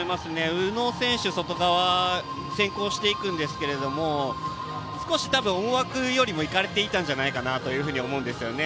宇野選手、外側で先行していくんですけど少し多分、思惑よりも行かれていたのかなと思うんですよね。